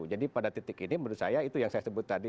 jadi pada titik ini menurut saya itu yang saya sebut tadi